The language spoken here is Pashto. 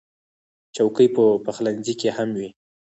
چوکۍ په پخلنځي کې هم وي.